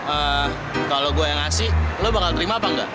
eh kalau gue yang ngasih lo bakal terima apa enggak